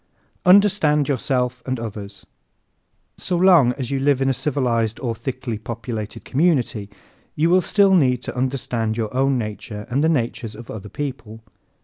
Understand Yourself and Others ¶ So long as you live in a civilized or thickly populated community you will still need to understand your own nature and the natures of other people.